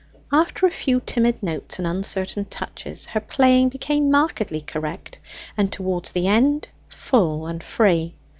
After a few timid notes and uncertain touches her playing became markedly correct, and towards the end full and free.